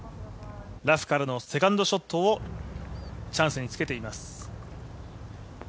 ラフからのセカンドショットをチャンスにつけています。